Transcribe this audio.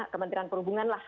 kementerian perhubungan lah